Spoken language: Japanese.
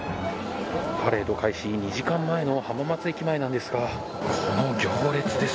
パレード開始２時間前の浜松駅前なんですがこの行列です。